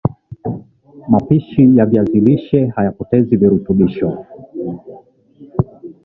mapishi ya viazi lishe haypotezi virutubisho